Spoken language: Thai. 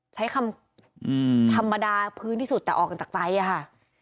ใช้คำธรรมดาพื้นที่สุดแต่ออกกันจากใจอะค่ะ